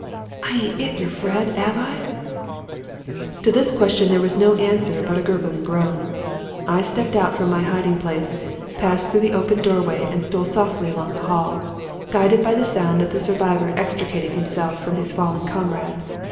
"'I ain't 'it yer, Fred, 'ave I?' "To this question there was no answer but a gurgling groan. I stepped out from my hiding place, passed through the open doorway and stole softly along the hall, guided by the sound of the survivor extricating himself from his fallen comrade.